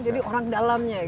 jadi orang dalamnya gitu ya